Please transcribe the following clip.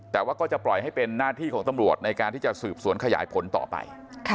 แต่ว่าก็จะปล่อยให้เป็นหน้าที่ของตำรวจในการที่จะสืบสวนขยายผลต่อไป